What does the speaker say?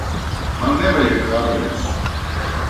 Man nevajag kabeļus.